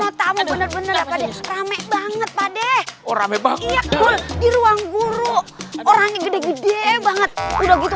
rame banget pade orang memang di ruang guru orang gede gede banget udah gitu